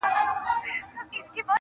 ځکه مي دا غزله ولیکله -